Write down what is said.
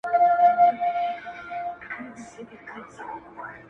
او له خپل یوازیتوبه سره ژاړې -